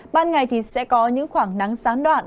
ban ngày thì sẽ có những khoảng nắng gián đoạn